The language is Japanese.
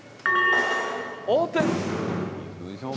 オープン。